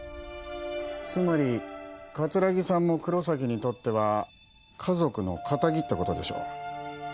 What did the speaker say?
つまり桂木さんも黒崎にとっては家族の仇ってことでしょ？